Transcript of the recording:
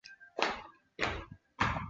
奇蒿为菊科蒿属的植物。